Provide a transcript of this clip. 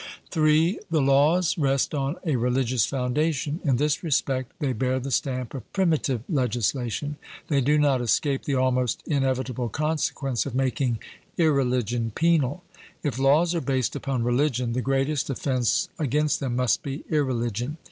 III. The Laws rest on a religious foundation; in this respect they bear the stamp of primitive legislation. They do not escape the almost inevitable consequence of making irreligion penal. If laws are based upon religion, the greatest offence against them must be irreligion.